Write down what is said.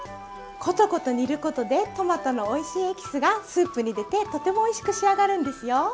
コトコト煮ることでトマトのおいしいエキスがスープに出てとてもおいしく仕上がるんですよ。